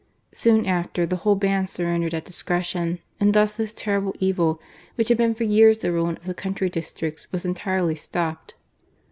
Sooii after, the whole band surrendered at discretion, and thus this terrible evil, which hsA been for years the ruin of the country districts, was[ entirely stopped.